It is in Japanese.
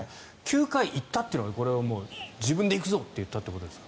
９回行ったというのは自分で行くぞと言ったということですか。